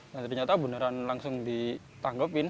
dan ternyata beneran langsung ditanggepin